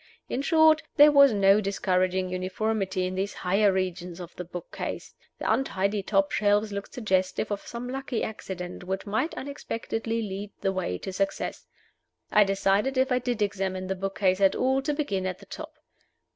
In short, there was no discouraging uniformity in these higher regions of the book case. The untidy top shelves looked suggestive of some lucky accident which might unexpectedly lead the way to success. I decided, if I did examine the book case at all, to begin at the top.